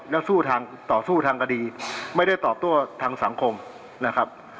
แล้วสู้ทางต่อสู้ทางคดีไม่ได้ตอบโต้ทางสังคมนะครับ